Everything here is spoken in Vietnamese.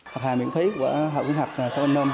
học hà miễn phí của hội khuyến học xã bình nam